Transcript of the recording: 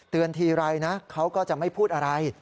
เตือนทีไรเขาก็จะไม่พูดอะไร